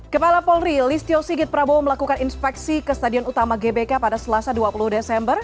kepala polri listio sigit prabowo melakukan inspeksi ke stadion utama gbk pada selasa dua puluh desember